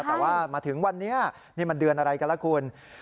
แต่ว่ามาถึงวันนี้นี่มันเดือนอะไรกันล่ะคุณ